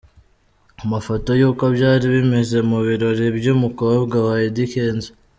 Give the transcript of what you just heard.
Amafoto y'uko byari bimeze mu birori by'umukobwa wa Eddy Kenzo.